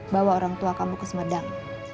bawa orang tua kamu ke sumedang